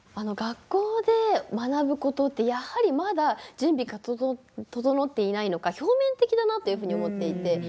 学校で学ぶことってやはりまだ準備が整っていないのか表面的だなっていうふうに思っていて。